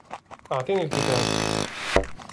أعطني الكتاب.